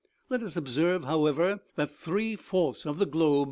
Let us observe, however, that three fourths of the globe is OMEGA